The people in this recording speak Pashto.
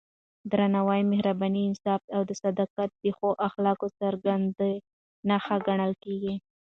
درناوی، مهرباني، انصاف او صداقت د ښو اخلاقو څرګندې نښې ګڼل کېږي.